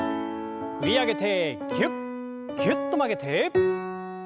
振り上げてぎゅっぎゅっと曲げて。